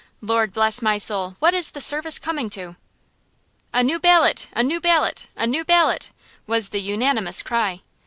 Lord bless my soul, what is the service coming to?" "A new ballot! A new ballot! A new ballot!" was the unanimous cry.